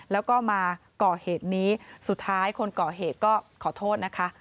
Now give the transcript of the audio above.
แล้วก็มาก่อเหตุนี้สุดท้ายคนก่อเหตุก็ขอโทษนะคะ